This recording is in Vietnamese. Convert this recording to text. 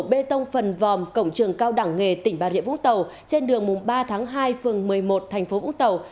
bê tông phần vòm cổng trường cao đẳng nghề tỉnh bà rịa vũng tàu trên đường mùng ba tháng hai phường một mươi một thành phố vũng tàu